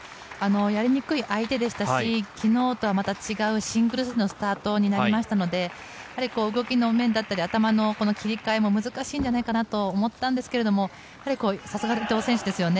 やりにくい相手でしたし昨日とはまた違うシングルスでのスタートになりましたのでやはり動きの面だったり頭の切り替えも難しいんじゃないかなと思ったんですけれどもさすが伊藤選手ですよね。